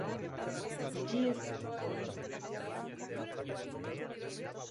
La antigua provincia austriaca de Galitzia pasaba a Polonia.